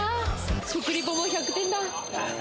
食リポも１００点だ。